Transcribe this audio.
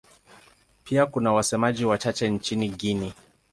Pia kuna wasemaji wachache nchini Guinea.